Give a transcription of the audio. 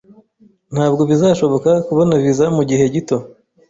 Ntabwo bizashoboka kubona visa mugihe gito.